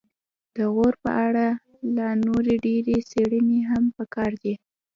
د غور په اړه لا نورې ډېرې څیړنې هم پکار دي